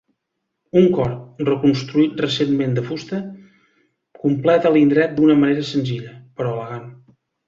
Un cor, reconstruït recentment de fusta, completa l'indret d'una manera senzilla, però elegant.